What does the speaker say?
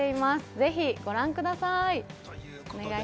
ぜひご覧ください。